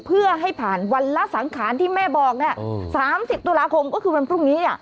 เพื่อให้ผ่านวันละสังขารที่แม่บอก๓๐ตุลาคมก็คือวันพรุ่งนี้